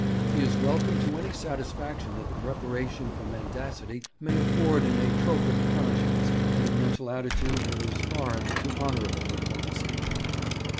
He is welcome to any satisfaction that the preparation for mendacity may afford an atrophic conscience and a mental attitude that is foreign to honourable diplomacy.